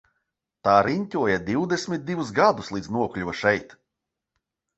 Tā riņķoja divdesmit divus gadus līdz nokļuva šeit.